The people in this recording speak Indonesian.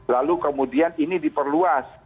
lalu kemudian ini diperluas